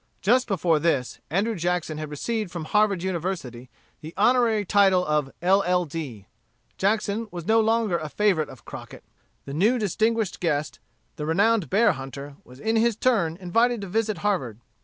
Just before this, Andrew Jackson had received from Harvard University the honorary title of LL.D. Jackson was no longer a favorite of Crockett. The new distinguished guest, the renowned bear hunter, was in his turn invited to visit Harvard.